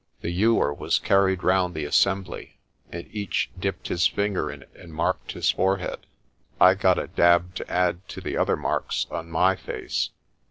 The ewer was carried round the assembly, and each dipped his finger in it and marked his forehead. I got a dab to add to the other marks on my face.